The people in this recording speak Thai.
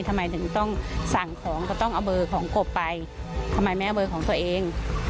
ทำไมถึงต้องสั่งของก็ต้องเอาเบอร์ของกบไปทำไมไม่เอาเบอร์ของตัวเอง